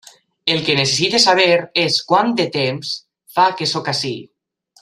El que necessite saber és quant de temps fa que sóc ací.